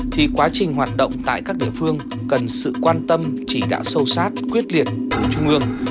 thì quá trình hoạt động tại các địa phương cần sự quan tâm chỉ đạo sâu sát quyết liệt từ trung ương